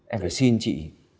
em phải xin chị